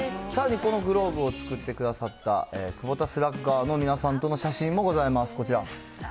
さらにこのグローブを作ってくださった久保田スラッガーの皆さんとの写真もございます、こちら。